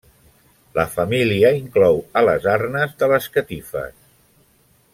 La família inclou a les arnes de les catifes.